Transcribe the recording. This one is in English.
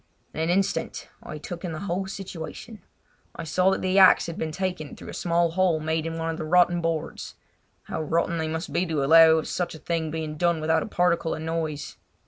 In an instant I took in the whole situation. I saw that the axe had been taken through a small hole made in one of the rotten boards. How rotten they must be to allow of such a thing being done without a particle of noise.